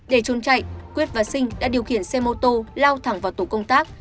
để trôn chạy quyết và sinh đã điều khiển xe mô tô lao thẳng vào tổ công tác